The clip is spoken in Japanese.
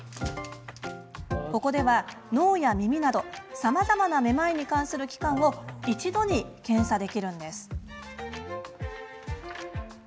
ここでは、脳や耳などさまざまなめまいに関する器官を一度に検査できるんです。